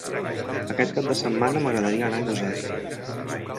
Aquest cap de setmana m'agradaria anar a Lloseta.